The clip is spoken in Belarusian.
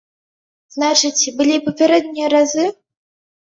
Значыць, былі і папярэднія разы?